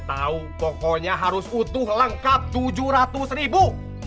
tahu pokoknya harus utuh lengkap tujuh ratus ribu